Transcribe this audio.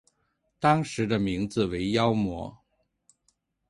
当时的名字为妖魔。